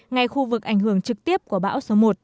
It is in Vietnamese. ngay khu vực ảnh hưởng trực tiếp của bão số một